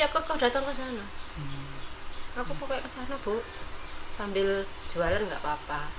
aku pokoknya ke sana bu sambil jualan gak apa apa